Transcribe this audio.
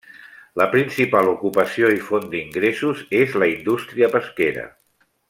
La principal ocupació i font d'ingressos és la indústria pesquera.